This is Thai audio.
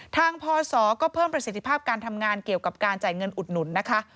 พศก็เพิ่มประสิทธิภาพการทำงานเกี่ยวกับการจ่ายเงินอุดหนุนนะคะ